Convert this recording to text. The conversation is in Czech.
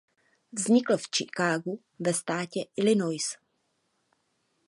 Vznikl v Chicagu ve státě Illinois.